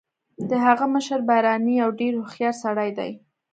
د هغه مشر بارني یو ډیر هوښیار سړی دی